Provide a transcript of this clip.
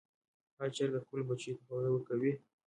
آیا چرګه خپلو بچیو ته خواړه ورکوي؟